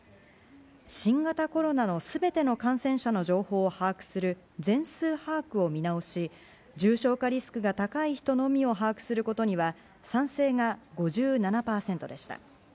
新型コロナのすべての感染者の情報を把握する全数把握を見直し、重症化リスクが高い人のみを把握することには、賛成が５７％でした。